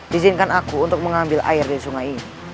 dijinkan aku untuk mengambil air dari sungai ini